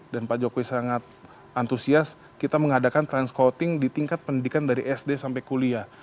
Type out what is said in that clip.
dan pak jokowi sangat antusias kita mengadakan transcoding di tingkat pendidikan dari sd sampai kuliah